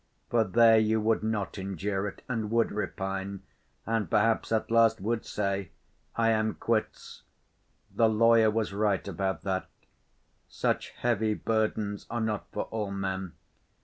For there you would not endure it and would repine, and perhaps at last would say: 'I am quits.' The lawyer was right about that. Such heavy burdens are not for all men.